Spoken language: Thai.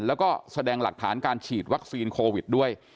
แล้วก็แสดงหลักฐานการฉีดวัคซีนโควิดด้วย